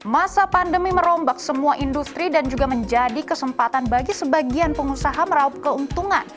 masa pandemi merombak semua industri dan juga menjadi kesempatan bagi sebagian pengusaha meraup keuntungan